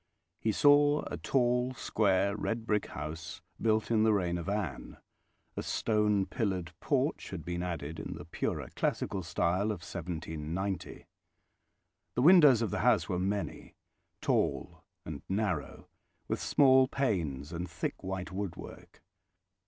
He saw a tall, square, red brick house, built in the reign of Anne; a stone pillared porch had been added in the purer classical style of 1790; the windows of the house were many, tall and narrow, with small panes and thick white woodwork.